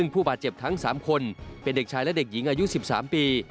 ผู้บาดเจ็บทั้ง๓คนเป็นเด็กชายและเด็กหญิงอายุ๑๓ปี